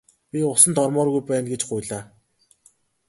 Би усанд ормооргүй байна гэж гуйлаа.